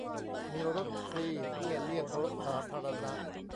มีรถฟรีเพื่อเลี่ยงรถสาธารณะ